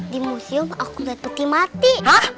di museum aku ngeliat putih mati